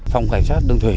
phòng cảnh sát đường thủy